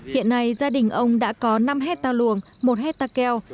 hiện nay gia đình ông đã có năm hecta luồng một hecta keo